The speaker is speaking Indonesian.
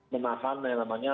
menahan yang namanya